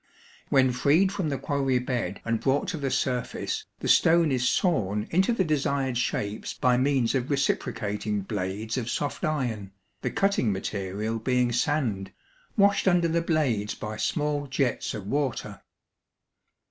When freed from the quarry bed and brought to the surface the stone is sawn into the desired shapes by means of "reciprocating" blades of soft iron, the cutting material being sand, washed under the blades by small jets of water.